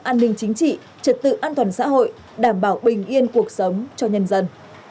an ninh chính trị trật tự an toàn xã hội đảm bảo bình yên cuộc sống cho nhân dân